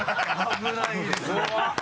危ないです。